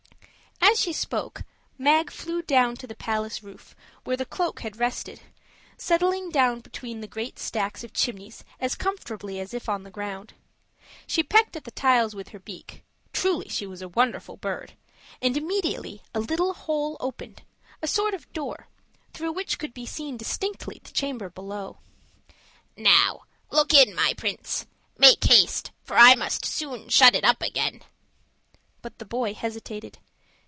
As she spoke, Mag flew down on to the palace roof, where the cloak had rested, settling down between the great stacks of chimneys as comfortably as if on the ground. She pecked at the tiles with her beak truly she was a wonderful bird and immediately a little hole opened, a sort of door, through which could be seen distinctly the chamber below. "Now look in, my Prince. Make haste, for I must soon shut it up again." But the boy hesitated.